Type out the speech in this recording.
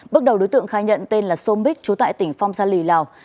bước đầu đối tượng khai nhận tên là som bích trú tại tỉnh phong sa lì lào